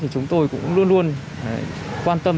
chúng tôi cũng luôn luôn quan tâm